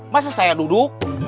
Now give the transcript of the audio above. masa saya duduk